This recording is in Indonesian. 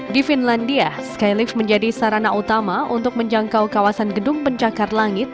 di finlandia skylift menjadi sarana utama untuk menjangkau kawasan gedung pencakar langit